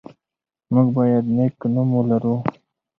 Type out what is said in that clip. موږ باید نېک نوم ولرو.